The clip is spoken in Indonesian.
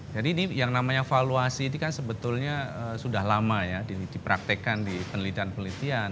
jadi ini yang namanya valuasi ini kan sebetulnya sudah lama ya dipraktekkan di penelitian penelitian